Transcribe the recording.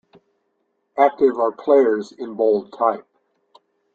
Active are players in bold type.